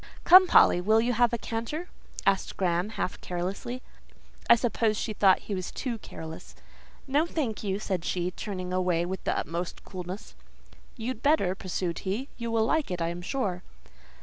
"Come, Polly, will you have a canter?" asked Graham, half carelessly. I suppose she thought he was too careless. "No, thank you," said she, turning away with the utmost coolness. "You'd better," pursued he. "You will like it, I am sure."